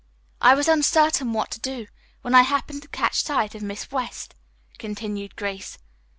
"I was uncertain what to do, when I happened to catch sight of Miss West," continued Grace.